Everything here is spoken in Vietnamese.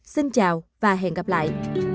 xin chào và hẹn gặp lại